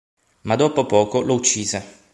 Ma dopo poco lo uccise.